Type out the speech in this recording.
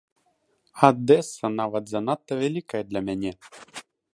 Адэса нават занадта вялікая для мяне.